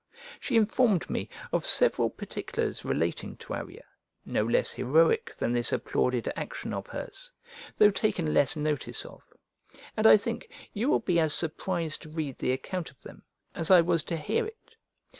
She informed me of several particulars relating to Arria, no less heroic than this applauded action of hers, though taken less notice of, and I think you will be as surprised to read the account of them as I was to hear it.